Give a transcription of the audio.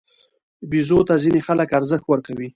بیزو ته ځینې خلک ارزښت ورکوي.